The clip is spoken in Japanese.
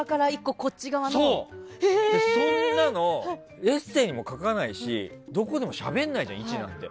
そう、そんなのエッセーにも書かないしどこでもしゃべらないじゃん位置なんて。